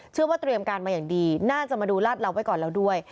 เชื่อว่าเตรียมการมาอย่างดีน่าจะมาดูลาดเราไว้ก่อนแล้วด้วย